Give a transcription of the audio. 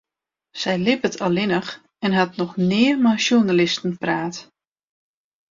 Sy libbet allinnich en hat noch nea mei sjoernalisten praat.